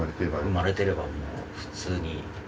生まれてれば、普通に。